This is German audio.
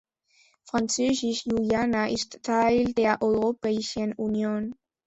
Französisch-Guayana ist Teil der Europäischen Union.